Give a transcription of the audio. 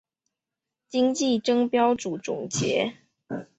今季争标组总结。